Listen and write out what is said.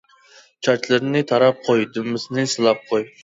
چاچلىرىنى تاراپ قوي دۈمبىسىنى سىلاپ قوي.